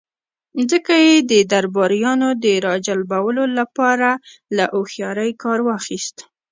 ځکه يې د درباريانو د را جلبولو له پاره له هوښياری کار واخيست.